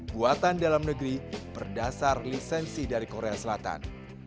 buatan dalam negeri berdasar lisensi dari korea selatan